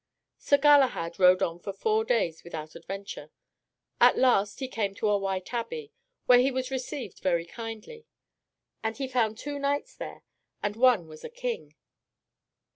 Sir Galahad rode on for four days without adventure. At last he came to a white abbey, where he was received very kindly. And he found two knights there, and one was a king.